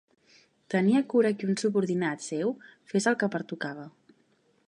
Tenia cura que un subordinat seu fes el que pertocava.